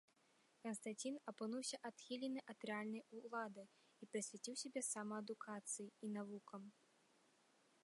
Канстанцін апынуўся адхілены ад рэальнай улады і прысвяціў сябе самаадукацыі і навукам.